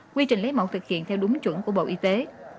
quy trình lấy mẫu thực hiện theo đúng chuẩn của bộ y tế